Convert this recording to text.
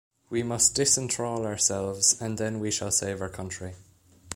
We must disenthrall ourselves and then we shall save our country.